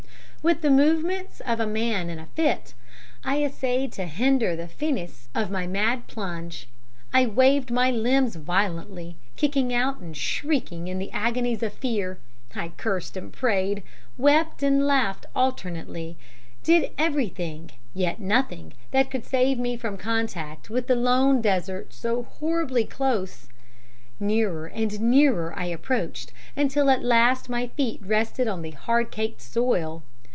"With the movements of a man in a fit, I essayed to hinder the finis of my mad plunge. I waved my limbs violently, kicking out and shrieking in the agonies of fear. I cursed and prayed, wept and laughed alternately, did everything, yet nothing, that could save me from contact with the lone desert so horribly close. Nearer and nearer I approached, until at last my feet rested on the hard caked soil.